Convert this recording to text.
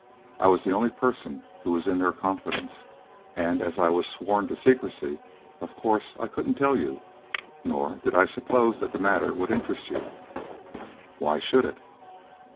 I was the only person who was in their confidence, and as I was sworn to secrecy, of course I couldn't tell you; nor did I suppose that the matter would interest you. Why should it?"